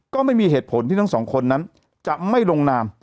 ก็ไม่มีเหตุผลที่ทั้งสองคนนั้นจะไม่ลงนาม